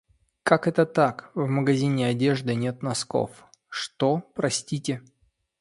Как это так, в магазине одежды нет носков? Что, простите?